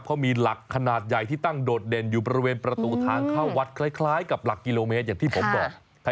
เขามีหลักขนาดใหญ่ที่ตั้งโดดเด่นอยู่บริเวณประตูทางเข้าวัดคล้ายกับหลักกิโลเมตรอย่างที่ผมบอก